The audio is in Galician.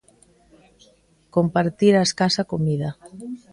Compartir a escasa comida.